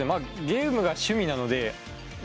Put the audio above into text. ゲームが趣味なのでそうか。